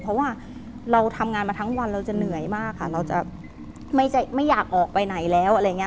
เพราะว่าเราทำงานมาทั้งวันเราจะเหนื่อยมากค่ะเราจะไม่อยากออกไปไหนแล้วอะไรอย่างนี้